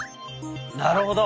なるほど。